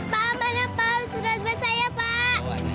pak mana pak surat baca ya pak